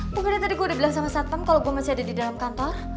mungkin tadi gue udah bilang sama satpam kalau gue masih ada di dalam kantor